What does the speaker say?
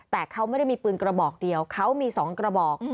แต่เขาไม่ได้มีปืนกระบอกเดียวเขามี๒กระบอก